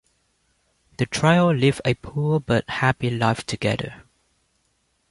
The trio live a poor but happy life together.